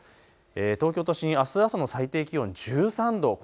東京都心、あす朝の最低気温１３度。